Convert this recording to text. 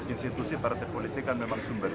institusi partai politik kan memang sumber